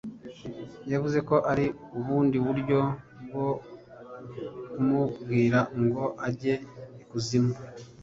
yavuze ko ari ubundi buryo bwo kumubwira ngo ajye ikuzimu